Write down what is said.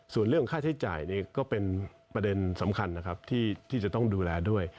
ส่วนเรื่องค่าใช้จ่ายนี่ก็เป็นประเด็นสำคัญนะครับที่จะต้องดูแลด้วย